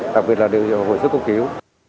đặc biệt là điều hội sức cung cứu